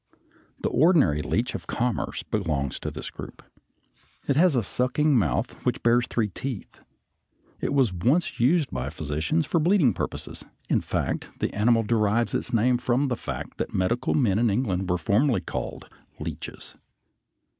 The ordinary leech of commerce (Fig. 73) belongs to this group. It has a sucking mouth, which bears three teeth. It was once much used by physicians for bleeding purposes, in fact, the animal derives its name from the fact that medical men in England were formerly called leeches.